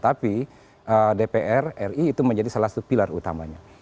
tapi dpr ri itu menjadi salah satu pilar utamanya